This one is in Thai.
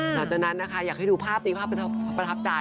หลังจากนั้นนะคะอยากให้ดูภาพนี้ภาพประทับใจ